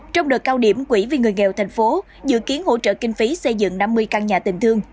trong đợt cao điểm quỹ vì người nghèo thành phố dự kiến hỗ trợ kinh phí xây dựng năm mươi căn nhà tình thương